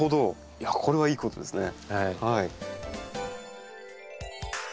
いやこれはいいことですね。